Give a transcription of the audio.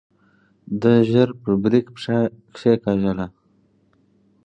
ده ژر په بريک پښه کېکاږله.